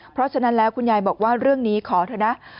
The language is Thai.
เพราะฉะนั้นแล้วคุณยายบอกว่าเรื่องนี้ขอเถอะนะ